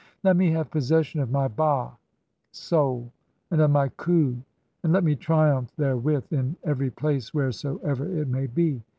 Let me have possession "of my ba (soul), and of my Uliu, and let me triumph (5) there "with in every place wheresoever it may be.